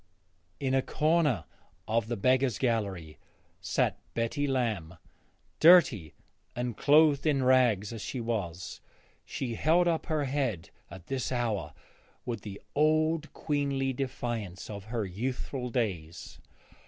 In a corner of the beggars' gallery sat Betty Lamb. Dirty and clothed in rags as she was, she held up her head at this hour with the old queenly defiance of her youthful days.